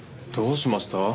どうしました？